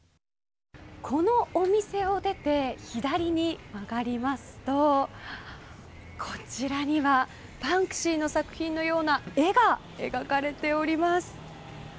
このお店を出て左に曲がりますとこちらにはバンクシーの作品のような絵が描かれております。